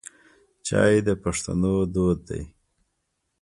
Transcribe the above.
چای د پښتنو دود دی.